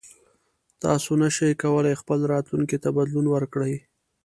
تاسو نشئ کولی خپل راتلونکي ته بدلون ورکړئ.